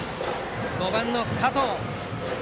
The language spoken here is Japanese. ５番の加藤。